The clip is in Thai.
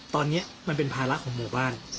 ตอนนี้มันเป็นภาระของหมู่บ้าน